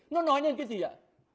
nó nói lên cái gì ạ